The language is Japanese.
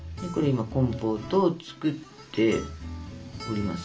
今コンポートを作っております。